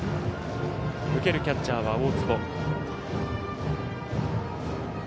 受けるキャッチャーは大坪。